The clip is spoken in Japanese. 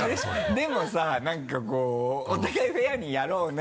でもさ何かこうお互いフェアにやろうね。